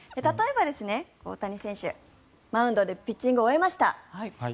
例えば、大谷選手、マウンドでピッチングを終えました。